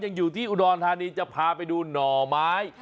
อยู่ที่อุดรธานีจะพาไปดูหน่อไม้